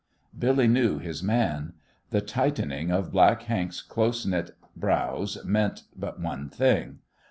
Billy knew his man. The tightening of Black Hank's close knit brows meant but one thing.